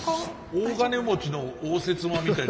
大金持ちの応接間みたいに。